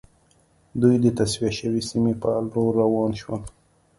دوی د تصفیه شوې سیمې په لور روان شول